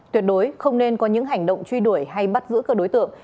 tuyệt đối không nên có những hành động truy đuổi hay bắt giữ các đối tượng